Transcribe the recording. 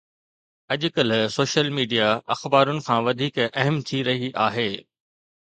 اڄڪلهه social media اخبارن کان وڌيڪ اهم ٿي رهي آهي